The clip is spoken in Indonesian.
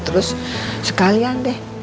terus sekalian deh